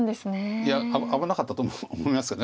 いや危なかったと思いますけど。